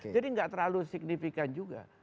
jadi nggak terlalu signifikan juga